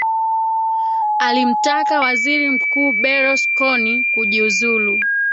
alimtaka waziri mkuu beros koni kujiuzulu